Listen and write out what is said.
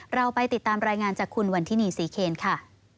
เราไปติดตามรายงานจากคุณวันทินีศรีเคนค่ะ